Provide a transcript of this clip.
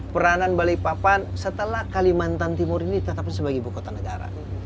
peranan balikpapan setelah kalimantan timur ini ditetapkan sebagai ibu kota negara